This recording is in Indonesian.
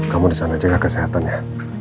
kamu di sana jaga kesehatan ya